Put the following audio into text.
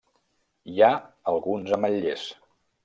Hi ha alguns ametllers.